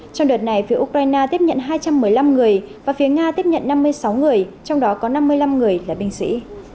trong đợt này phía ukraine tiếp nhận hai trăm một mươi năm người và phía nga tiếp nhận năm mươi sáu người trong đó có năm mươi năm người là binh sĩ